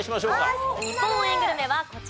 日本応援グルメはこちらです。